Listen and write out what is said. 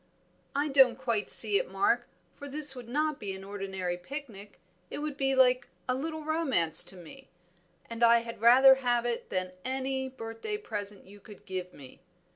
"I don't quite see it, Mark, for this would not be an ordinary picnic; it would be like a little romance to me, and I had rather have it than any birthday present you could give me.